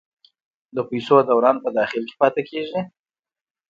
د پیسو دوران په داخل کې پاتې کیږي؟